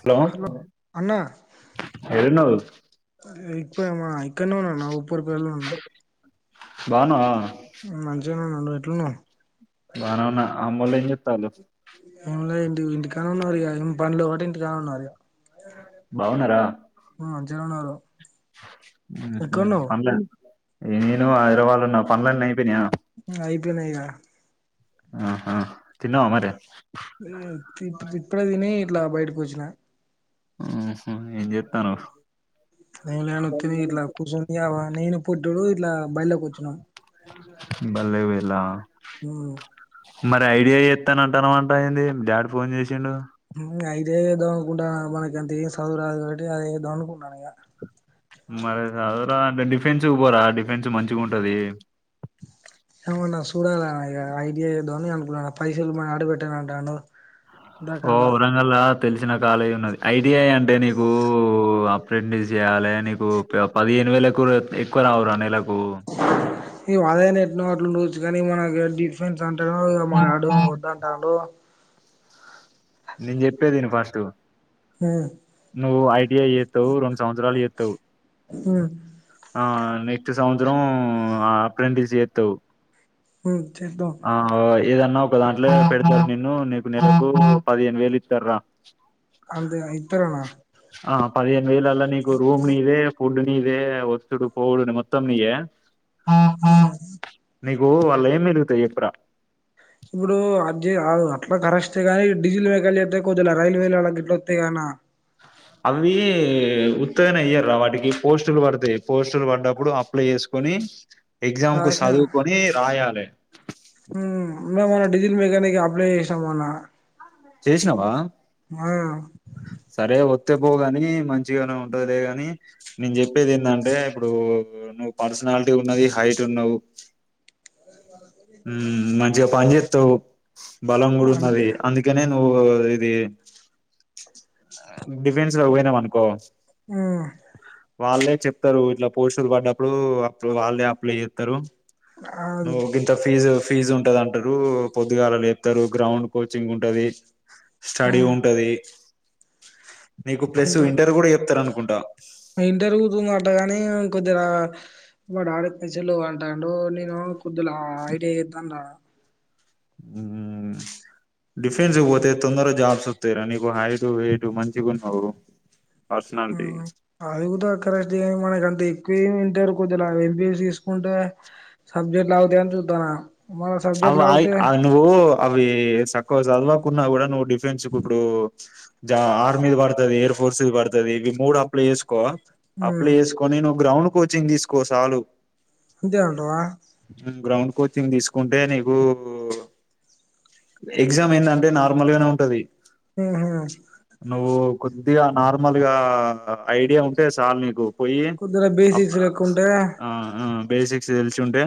Hello అన్నా ఏడున్నావ్ ఇప్పుడు మా ఇక్కడ్నే ఉన్న ఉప్పుడు పేళ్లు ఉన్నా బాన్నావా రా మంచిగా ఉన్న నువు ఏట్లున్నావ్ బానే ఉన్న అమ్మోల్ ఎట్లు టాలు ఫోన్లో ఏం ఇంటికాడనే ఉన్నరిగా ఏం పండ్లు ఒకటి ఇంటికానే ఉన్నారిగా బావున్నారా మంజిగానే ఉన్నారు ఉహ్ హు ఎక్కడున్నావు పనిలేదు నేను హైదరావాద్ వాళ్ళు ఉన్న పనుల ఐపఐపోయినాయిగా ఆహా తిన్నవా మరి ఊ తింటి ఇప్పుడు దిన ఇట్లా బయటకు వచ్చిన ఊ ఏం చెస్తానవ్ నేనొతిని ఇట్లా కుసొని గా పో పుట్టడు ఇలా బయల్లోకి పోతున్నాం బల్లకి పోయితన్నావా నువ్వు మరి ఐడియా చేస్తాన అంటాను అంట అయింది డాడ్ ఫోన్ చేసిండు అదేధోకుంటా మనకి ఎంత సదువు అదేధో అనుకుంటానా మరి చదవరా అంటే డిఫెన్స్ పోరా డిఫెన్స్ మంచిగా ఉంటది ఏమన్నా చూడాల ఇక ఐడియా ఏదో అని అనుకున్నాను పైసలు మని అడిపెట్టాను అంటాను ఓ ఔరంగలాదు తెలిసిన కాలేజ్ ఉన్నది. ఐటిఐ అంటే నీకు అప్రెంటిస్ చేయాలి. నీకు పదిహేను వేలు ఎక్కువ రావు. నీకు నెలకు ఇగో పదైన ఎట్న గొట్ల ఉండచ్చు కాని మనకి డిఫెన్స్ వంటాను ఇ మానాడు ఆ వద్దంటాండు నేను చెప్పేది ఇను ఫస్ట్ ఉమ్ నువ్వు ఐటిఐ చేస్తావు రెండు సంవత్సరాలు చేస్తావు ఉమ్ ఆ నెక్స్ట్ సంవత్సరం అప్రెంటిస్ చేత్తవు ఉమ్ చేద్దాం ఆ ఏదన్నా క్ దాంట్లో పెడతారు నిన్ను నీకు నెలకు పదేను వేలు ఇత్తారు రా అంతే ఇత్తరనా ఆ పదిహేను వేళల్లో నీకు రూమ్ నిత్తే ఫుడ్ నీదే ఒత్డు పోడు మొత్తం నీయే హా నీకు వాళ్ళ ఏం మరుగుతాయి చెప్పురా ఇప్పుడు అ అట్లా కరస్టే గానీ డీజిల్ లెక్కలు చెప్పేకి పోతాలే కొద్దులే రైల్వేలు అలా గిట్ల వస్తాయి గాన అవి ఉత్తగనే అయ్యారు వాటికి పోస్టులు పడతాయి పోస్టులు పడ్డప్పుడు అప్లై చేసుకొని ఎగ్జామ్ కు రాసిన చదువుకొని రాయాలి మన డీజిల్ మెకానీక్ అప్లై చేసాం మొన్న చేసినవా ఆ కొ పోగాని మంచిగానే ఉంటది లే గాని నేను చెప్పేది ఏంధంటే, ఇప్పుడు నువ్వు పర్సనాలిటీ ఉన్నది హైట్ ఉన్నావు. హమ్ మంచిగ పన్ తొ బలంగుడు అంతే నది అందుకే ను ఇది డిఫెన్స్ పోయినం అనుకో ఉమ్ వాళ్ళే చెప్తరు ఇట్లా పోస్టులు పడ్నప్పుడు అప్పు వాళ్ళే అప్లై చెత్తరు అది నువ్వుగి ఇంత ఫీజు ఫీజు ఉంటది అంటరు పొద్దుగల్లా లేపుతారు గ్రౌండ్ కోచింగ్ ఉంటది స్టడీ ఉమ్ ఉంటది నీకు ప్లస్ ఇంటర్ కూడ చెప్తార అనుకుం డ ఇంటర్వ్యూ త అగాని కొద్దిగ వాడు ఆడలు అంటాడు నేను కొద్ది ఐడి చేతన్న రా హ డిఫెన్స్ పోతే తొందర జాబ్ వత్తఇ ర నీకు హైట్ వేట్ మంచిగున్నవు అది కూడా దక్క మనకు అంత ఎక్కువ ఏం రు కొద్దిలా ఎంబిఎస్ తీసుకుంటే సబ్జెక్ట్ లావుతాయ అని చూద్దాను అయి నువ్ అవి సక్కవ చదువాకున్న కూడ నువ్వు డిఫ ఫ్రెండ్స్ కు ఇప్పుడు జా ఆర్మీది బడుతది ఎయిర్ ఫోర్స్ ఇది బ పర్తుది ఇవి మూడు అప్లై చేేసుకో మ్మ్ అప్లై చేసుకొని నువ్వు గ్రౌండ్ కోచింగ్ తీసుకో సాలు అంతే అంటావా గ్రౌండ్ కోచింగ్ తీసుకు టె నీకు ఎగ్జామ్ ఎందంటే నార్మల్గానే ఉంటది హమ్ హమ్ కొద్దిగ నార్మల్ గ ఐడియ ఉంటే చాల్ నీకు పోయి కోద్దిగ అప్ బేసిక్స్ లేక ఉంటే ఆ ఆ బేసిక్స్ తెలిసి ఉంటే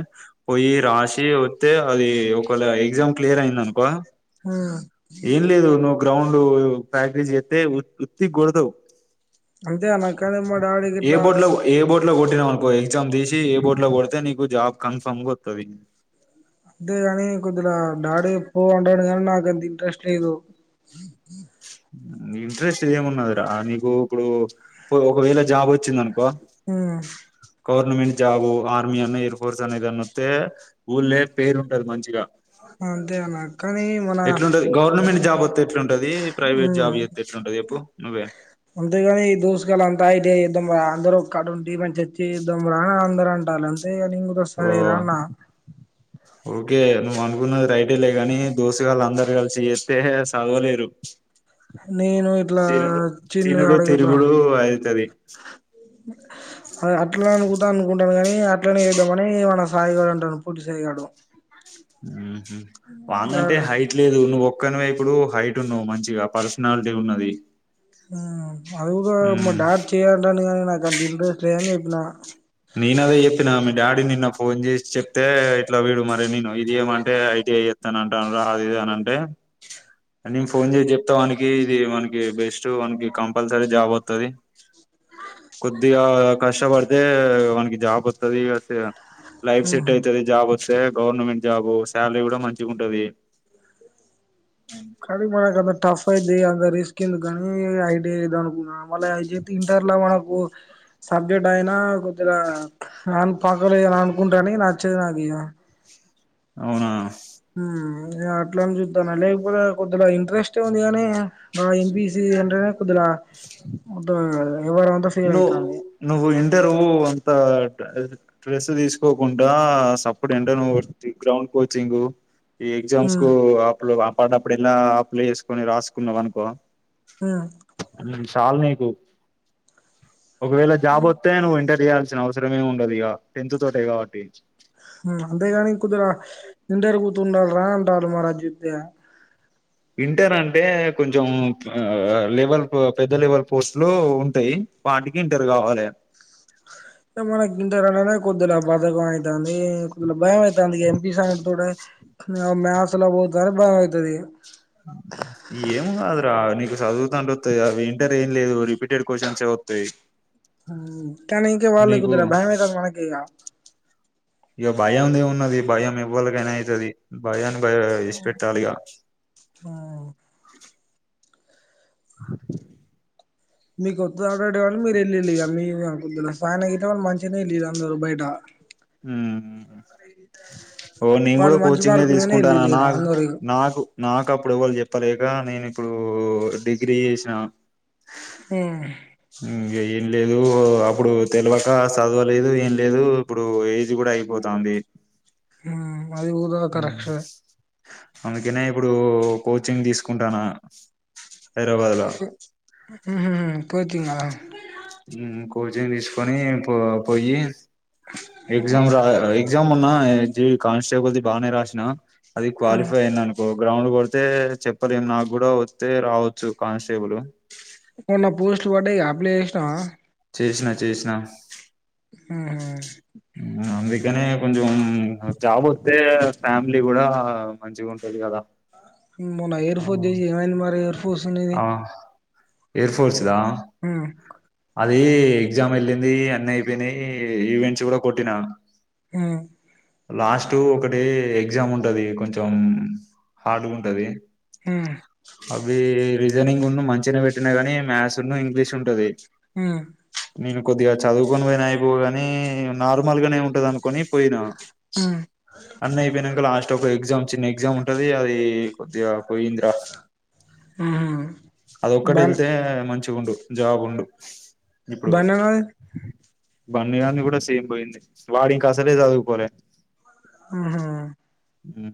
పోయి రాసి అయితే అది ఒకవేళ ఎగ్జామ్ క్లియర్ అయింది అనుకో మ్మ్ ఏం లేదు నువ్ గ్రౌండ్ ఫ్యాక్టీజ్ ఎతే ఉత్తి గుడదవు అంతే అనా కానీ మ డాడీ గిట్ల ఎగజామ్ దసి ఏ బోర్ట్ లో పోడతే నీకు జాబ్ కన్ఫర్మ్ కొతుంది అంతేగాని కొద్దిగా డాడి పోండనికి కానీ నాకు ఎంత ఇంట్రెస్ట్ లేదు ఇంట్రెస్ట్ ఏమున్నదిరా నీకు ఇప్పుడు ఒకవేళ జాబ్ వచ్చింది అనుకో హ గవర్నమెంట్ జాబు ఆర్మీ అన్న ఎయిర్ ఫోర్స్ అన్న ఇది అన్న వస్తే ఊళ్ళే పేరు ఉంటది మంచిగా అంతే అన్న కానీ మన ఎట్లుంటది గవర్నమెంట్ జాబ్ వంది ఎట్ంటది ప్రైవేట్ ఉమ్ జాబ్ చేతే ఎట్లుంటది చెప్పు నువ్వే ఐటి ఐ చేద్దాం రా అందరం ఒక్కకడా ఉండి చేద్దాం రా అని అందరు టాలు అదే నిను కూడా వస్తా ఓ లేరా అన్నా ఓకే నువ్వు అనుకున్నది రైటే లే కాని దోస్తుగాళ్ళ అందరు కలిసి చేస్తే చదవలేరు నేను ఇట్లా తినుడు చిన్న తినుడు అడగ ఇట్లా తిరుగుడు అయితది అ అట్లా అను అనుకుంటాను కాని అట్లనే చేద్దామని మన సాయి గాడు అంటాడు పొట్టి సాయి గాడు వాందంటే హైట్ లేదు నువ్వు ఒ ఒక్కనవ ఇప్పుడు హైట్ ఉన్నావు మంచిగా పర్సనాలిటీ ఉన్నది అది కూడా మ ఉమ్ డాడి చేయి అంటండు కానీ నాకు అంత ఇంట్రెస్ట్ లే అని చె నా ననదే చెప్పిన ఆ మీ డాడీ నిన్న ఫోన్ చేసి చెప్తే ఇట్లా వీడు మరిే నేను ఇది ఏమంటే ఐటీ చెత్త ంటాను రా అది ఇద అని అంటే నేను ఫోన్ చేసి చెప్తానకి ఇది మనకి బెస్ట్ మనకి కంపల్సరీ జాబ్ వతుది కొద్దిగా కష్టపడితే వానికి జాబ్ వస్తుది ఈక ైఫ్ సెట్ అవుతది జాబ్ వస్తే గవర్నమెంట్ జాబు శాలరీ కూడా మంచిగా ఉంటది కానీ మనకు అంత టఫ్ అయిది అంత రిస్క్ ఏంది కానీ ఐటి ఐ అనుకుంటున్నా మళ్ళ అ ఇంటర్ లో మనకు సబ్జెక్ట్ అయినా కొద్దిగా పక్కలేదుని అనుకుంటాని నచ్చేది నాకు ఇక అవునా హ అట్లా అని చూద్దాను లేకపోతే కొద్దిగా ఇంట్రెస్ట్ే ఉంది కాగాని బీసి అంటే కొద్దిల అదా నువు నువ్వు ఇంటరువ టడ్రెస్ తీసుకోకుండా సప్పుడు ఎండన గ్రౌండ్ కోచింగ్ ఈ ఎగ్జమ్స్ హ్మ్ కో అప్పుడు అప్పు పడప్పుడు ఎలా అప్పులు చేసుకొని రాసుకున్నావు అనుకో ఆ చాల నీకు ఒకవేళ జాబ్ వస్త నువ్వు ఇంటర్ చేయాలి వచ్చినవసరమే ఉండదు ఇక టెన్త్ తోట కాబట్టి ఇంటరుగుతుండాలి రా అంటారు మరి అద్ చెప్యా ఇంటర్ అంటే కొంచెం అ లెవెల్ పెద్ద లెవెల్ పోస్ట్లు ఉంటాయి వాటికి ఇంటర్ కావాలి. మనకింటార అనేనే కొద్దిగా బతకం అవుతది కొద్దిగా భయం అ ఎంపీ సా కూడా మ్యాస్లా పోతుర బా అయితది ఏం కాదురా చదువుతు అంటుతాయి అవి ఇంటర్ ఏం లేదు రిపీటెడ్ క్వశ్చన్స్ వతాయి కానీ ఇంకే వాళ్ళు కుదర భయమే కదా మనకి ఇ భయం ఉన్నది భయం ఇవ్వలకైనా అవుతది భయానికి ఇడిచిపెట్టాలిగా మీకు కొద్ [unintelligible] మీరు వెళ్ళళ్ళి మీద్దు సాన అతే వాళ్ళు మంచిగానే వెళ్ళ అందరరు బయట మ్ ఓ నేను కూడా వాళ్ళు మంచి కోచింగే మార్కుల మీదనే తీసుకుంటాను వెళ్ళిళ్ళు నా ఇగ అందరు ఇగ నాకు నాకు అప్పుడు ఎవాళు చెప్పాలే ఇకా నేను ఇప్పుడు డిగ్రీ చేసిన ఆ ఉమ్, ఏం లేదు అప్పుడు తెలివక చదవలేదు ఏం లేదు ఇప్ ఇప్పుడు ఏజ్ కూడా అయిపోతంది అది ఉూద క రక్ష అందుకనే ఇప్పుడు కోచింగ్ తీసుకుంటాను హైదరాబాద్లా ఆహా కోచింగ్ కోచింగ్ తీసుకొని పో పోయి ఎక్జా రా ఎక్జామ్ ఉన్నా కానిస్టేబుల్ బాగానే రాసిన అది క్వాలిఫై అయింది అనుకో గ్రౌండ్ కొడితే చెప్పలేం నాకు కూడా వస్తే రావచ్చు కానిస్టేబుల్ పోస్ట్లు పడ్యి అప్లై చేసినా చేసిన చేష్న ఆ అందునే కొంచం జాబ్ వస్తే ఫ్యామిలీ కూడా మంచిగా ఉంటుది కదా మొన్న ఎయిర్ ఫోర్స్ చేసి ఏమైంది మరి ఎయిర్ ఫోర్స్ నిధి ఏర్ ఫోర్స్దా మ్మ్ అది ఎగ్జామ్ వెళ్ళింది అన్న అయిపోయినాయి ఈవెంట్స్ కూడా కొట్టినా మ్మ్ లాస్ట్ ఒకటిే ఎగ్జామ్ ఉంటది కొంచం హార్డ్ గా ఉంటది హ్మ అవి రీజనింగ్ ఉన్న మంచినే పెట్టినా కాగానీ మ్యాథ్స్ ఇం తీసి ఉంటది మ్మ్ నేను కొద్దిగా చదువుకొని పోయినా అయిపోగా నార్మల్ గానే ఉంటది అనుకో కొని పోయినా హ్మ్ అన్న అయిపోయినాక లాస్ట్ ఒక ఎగ్జామ్ చిన్న ఎగ్జామ్ ఉంటది అది కోడిగా పోయింది రా హ్మ్ అద ఒక్కటి బన్ వెళ్తే మంచిగా ఉండు జాబ్ ఉండు అ ఇప్పుడు బనానా బండిన్న కూడా సేమ్ పోయింది వాడి ఇంకా అసలే చదువుకోలే మ్మ్ హ్మ్ హ్మ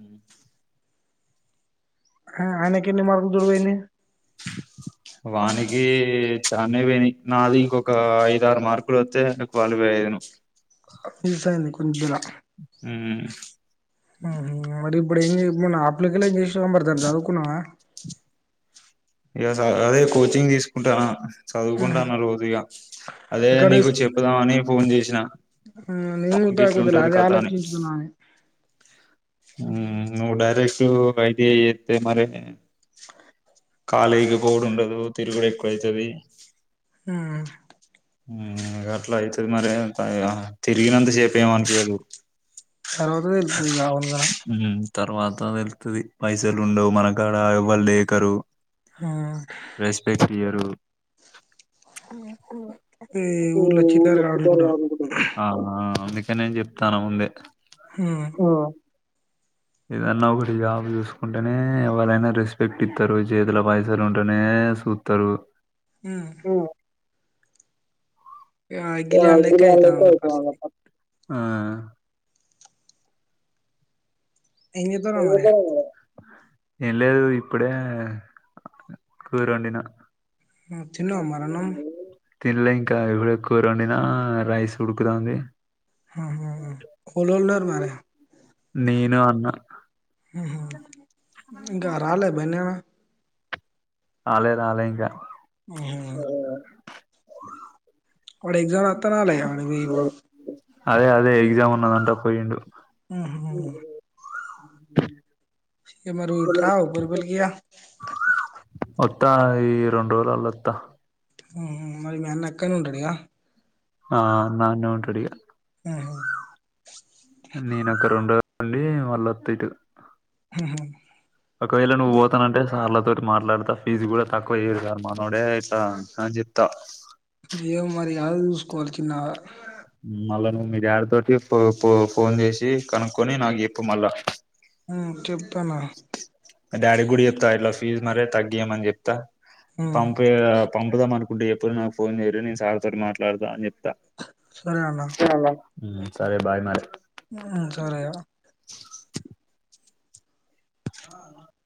అయనకి ఎన్ని మార్కులతో పోయింది వానికి చానే పోయినాయి నాది ఇంకొక ఐద ఆరు మార్కులు వస్తే క్వాలిఫై అయ ను మిస్ అయింది కొద్దిలా హ్మ హ్మ మడి అప్పుడు ఎ మ అప్పులకలా చేసిన కథ అవి చదువుకున్నావా ఎ అదే కోచింగ్ తీసుకుంటానా ఊహూ చదువుకుంటాను రోజుగా అదే నీకు చెప్పుదాం అని ఫోన్ చేసినా ఆ నిం ఊద ఆకుదల అదే అని ఆలోచించుతునా నే డైరెక్ట్ అయిటిఅయి చేస్తే మరి కాలేక కోడు ఉండదు తిరుగుడి కతుది మ్మ్ అట్లా అవుతుది మరి తిరిగినంత సేపు ఏం అనిపియదు తర్వాత వెళ్తుది కావునుగా తర్వాత వెళ్తుంది పైసలు ఉండవు మనకాడ ఇవ్వళ లేకరు హ్మ్ రైస్ పైక్రియారు ఈ ఊర్లో చిల్లరగా ఆడుకుంటారు ఆహ నేను చెప్తాను ముందే ఆ ఆ ఏదన్నా ఒగటి జాబ్ చూసుకుంటేనే ఎవరైనా రెస్పెక్ట్ ఇత్తరు చేతుల పైసలు ఉంటేనే సూత్తరు ఉ ఆ గిలి ఆడ్లేక ఆయతందా పరిస్థితి ఆ ఏం జత్తన్నవ్ మరి ఎ లేదు ఇప్పుడే కూరు వొండిన తిన్నవా మరన్నం తిినలే ఇంకా ఇబ్బుడే కూరండినా రైస్ ఉడుకుతాంది ఓలులున్నారు నేను అన్న ఉహు ఇంకా రాలే బయనా రాలె రాలె ఇంకా అహ వాడు ఎగ్జామ్స్ రాత్తన్న లే మీ అదే అదే ఎగ్జామ్ ఉన్నదంటా పోయిండు ఊహు ఇ మరుట్ రా పరుబలికియా త్తా ఈ రెండు రోజులల్ల అత్తా మరి మి అన్న అక్కడే ఉంటడిగా ఆ అన్న అన్నే ఉంటడిగా ఊ హ నేన అక్కడ రెండు రోజులండి మల్లోత్త ఇటు ఉహు ఒకవేళ నువ్వు పోతానంటే సార్లతో మాట్లాడతా ఫీజు గూడా తక్కువయ్యరు సార్ మా అోడేయి జిత్త స్ కోల్కిిన్నన్నా మీ డాడ్ తోటి పో ఫోన్ చేసి కనుక్కొని నాకు చెప్పు మళ్ళా చె త్తనా డాడీ కూడా చెప్తా ఇట్ల ఫీజు మరే తగ్గియమని చెప్తా ఉ పంపే పంపుదమనుకుంటే చెప్పురి నాకు ఫోన్ చేయిరి నేను సార్తో మాట్లాడతా అని చెప్ సరే అన్న [inaudible] ఉమ్ సరే బాయ్ మరే ఉమ్ సరేరా ఆ [inaudible]